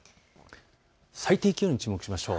最低気温に注目しましょう。